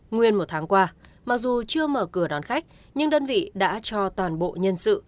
nguyên một tháng qua mặc dù chưa mở cửa đón khách nhưng đơn vị đã cho toàn bộ nhân sự